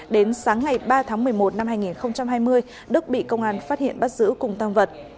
đến sáng ngày ba tháng một mươi một năm hai nghìn hai mươi đức bị công an phát hiện bắt giữ cùng tăng vật